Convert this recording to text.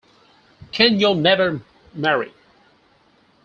Kenyon never married.